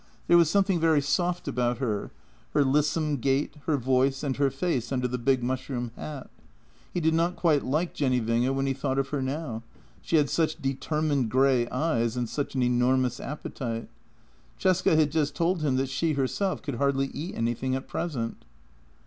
There was something very soft about her — her lissom gait, her voice, and her face under the big mushroom hat. He did not quite like Jenny Winge when he thought of her now; she had such determined grey eyes and such an enormous appetite. Cesca had just told him that she herself could hardly eat anything at present.